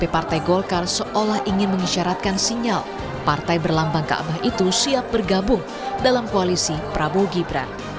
partai golkar seolah ingin mengisyaratkan sinyal partai berlambang kaabah itu siap bergabung dalam koalisi prabowo gibran